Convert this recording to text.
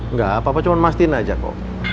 enggak papa cuma mastiin aja kok